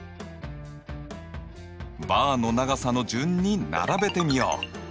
バーの長さの順に並べてみよう。